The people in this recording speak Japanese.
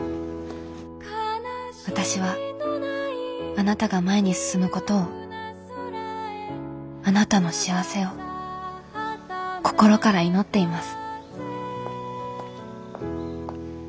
私はあなたが前に進むことをあなたの幸せを心から祈っています」。